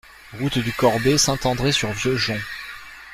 Route du Corbet, Saint-André-sur-Vieux-Jonc